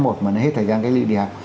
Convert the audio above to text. mà nó hết thời gian cách ly đi học